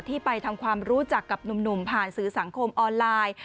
ไปทำความรู้จักกับหนุ่มผ่านสื่อสังคมออนไลน์